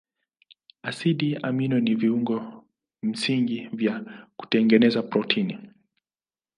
Asidi amino ni viungo msingi vya kutengeneza protini.